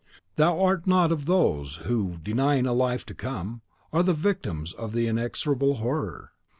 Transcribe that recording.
Thou art not of those who, denying a life to come, are the victims of the Inexorable Horror.